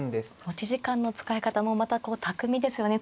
持ち時間の使い方もまたこう巧みですよね。